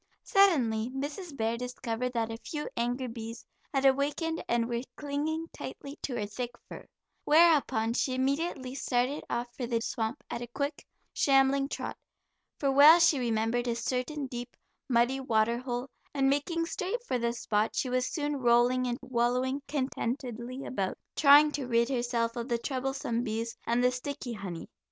Suddenly Mrs. Bear discovered that a few angry bees had awakened and were clinging tightly to her thick fur, whereupon she immediately started off for the swamp at a quick, shambling trot, for well she remembered a certain deep, muddy water hole, and making straight for the spot, she was soon rolling and wallowing contentedly about, trying to rid herself of the troublesome bees, and the sticky honey.